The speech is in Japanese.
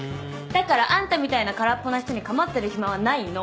だからあんたみたいな空っぽな人に構ってる暇はないの。